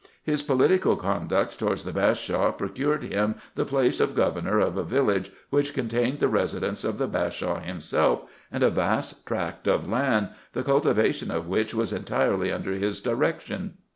His political conduct towards the Bashaw procured him the place of governor of a village, which contained the residence of the Bashaw himself, and a vast tract of land, the cultivation of which was entirely under his direction.